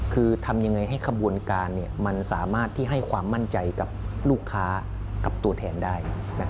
คือทำยังไงให้ขบวนการมันสามารถที่ให้ความมั่นใจกับลูกค้ากับตัวแทนได้